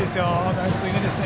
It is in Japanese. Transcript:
ナイススイングです。